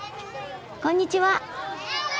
こんにちは。